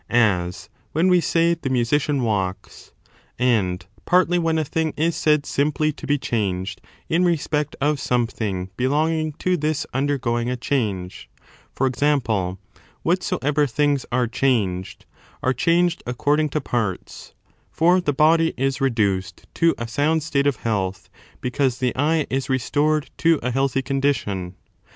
— as when we say the musician walks, — and tion or change partly when a thing is said simply to be changed imparted, in respect of something belonging to this under going a change ; for example, whatsoever things are changed, are changed according to parts : for the body is reduced to a soimd state of health because the eye is restored to a healthy condition.